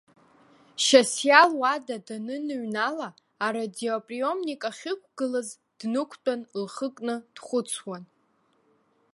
Шьасиа луада даныныҩнала, арадиоприомник ахьықәгылаз днықәтәан, лхы кны дхәыцуан.